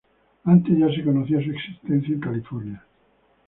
Antes ya se conocía su existencia en California.